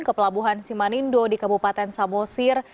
ke pelabuhan simanindo di kabupaten samosir